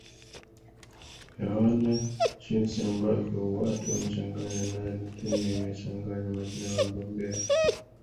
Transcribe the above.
eona jinsi ambavyo watu wamechanganya nani tume imechanganya majina ya wagombea